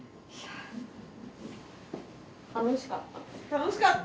楽しかった。